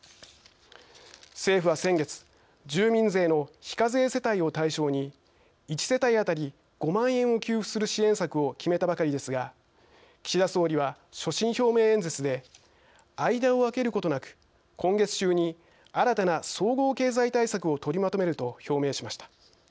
政府は、先月住民税の非課税世帯を対象に１世帯当たり５万円を給付する支援策を決めたばかりですが岸田総理は、所信表明演説で「間を空けることなく今月中に新たな総合経済対策を取りまとめる」と表明しました。